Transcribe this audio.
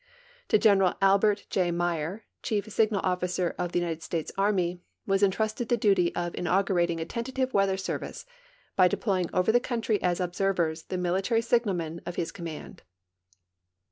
To General All)ert J. Myer, Chief Signal OfHcer of the United States Army, was intrusted the duty of in augurating a tentative weather scu'vice by deidoying over the country as observers the military signalmen of his command.